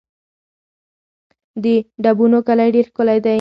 د ډبونو کلی ډېر ښکلی دی